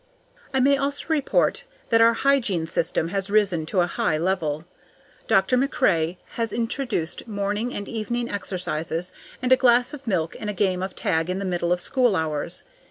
I may also report that our hygiene system has risen to a high level. Dr. MacRae has introduced morning and evening exercises, and a glass of milk and a game of tag in the middle of school hours.